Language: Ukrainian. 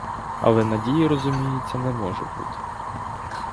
Але надії, розуміється, не може бути.